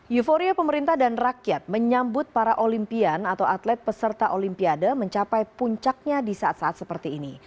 euforia pemerintah dan rakyat menyambut para olimpian atau atlet peserta olimpiade mencapai puncaknya di saat saat seperti ini